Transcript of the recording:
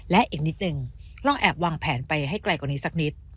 และอีกนิดนึงลองแอบวางแผนไปให้ไกลกว่านี้สักนิด